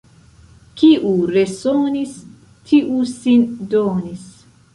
Kiu resonis, tiu sin donis.